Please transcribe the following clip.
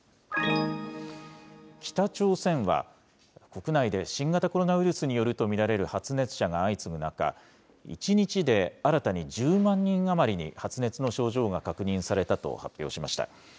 北朝鮮は、国内で新型コロナウイルスによると見られる発熱者が相次ぐ中、１日で新たに１０万人余りに発熱の症状が確認されたと発表しました。